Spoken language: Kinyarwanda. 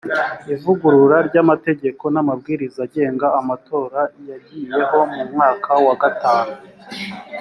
ivugurura ry amategeko n amabwiriza agenga amatora yagiyeho mu mwaka wa gatanu